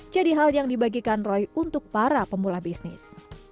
jadi hal yang dibagikan roy untuk para pemula bisnis